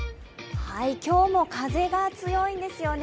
今日も風が強いんですよね。